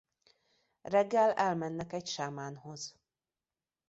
Reggel elmennek egy sámánhoz.